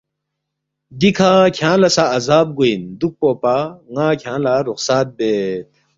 دیکھہ کھیانگ لہ سہ عذاب گوین دُوکپوپا ن٘ا کھیانگ لہ رُخصت بید